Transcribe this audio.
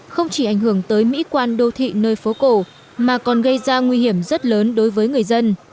không chỉ ảnh hưởng tới mỹ quan đô thị nơi phố cổ mà còn gây ra nguy hiểm rất lớn đối với người dân